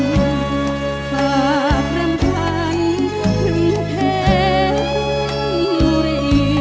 ฝากรำคัญเพลงเพลงรี